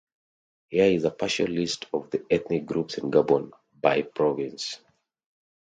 Here is a partial list of the ethnic groups in Gabon, by province.